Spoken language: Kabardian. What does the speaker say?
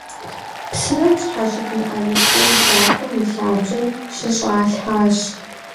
Псынэм щхьэщыт мыӀэрысей закъуэм и лъабжьэм щыщӀалъхьащ.